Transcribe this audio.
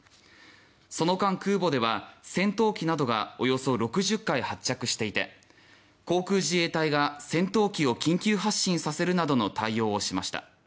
その間空母では戦闘機などがおよそ６０回発着していて航空自衛隊が戦闘機を緊急発進させるなどの対応をしました。